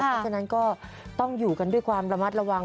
เพราะฉะนั้นก็ต้องอยู่กันด้วยความระมัดระวัง